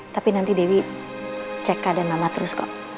tapi nanti dewi cek keadaan mama terus kok